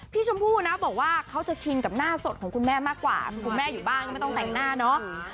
ชมพู่นะบอกว่าเขาจะชินกับหน้าสดของคุณแม่มากกว่าคุณแม่อยู่บ้านก็ไม่ต้องแต่งหน้าเนาะ